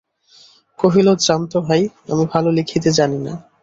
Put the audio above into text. কহিল, জান তো ভাই, আমি ভালো লিখিতে জানি না।